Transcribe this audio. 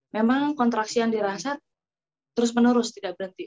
memang kontraksi yang dirasa terus menerus tidak berhenti